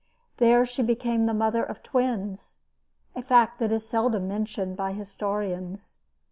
There she became the mother of twins a fact that is seldom mentioned by historians.